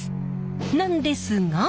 なんですが。